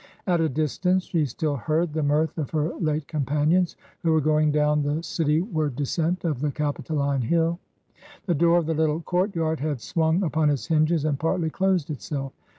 At a distance, she still heard the mirth of her late companions, who were going down the cityward descent of the Capitoline Hill. •.. The door of the little court yard had swung upon its hinges, and partly closed itself.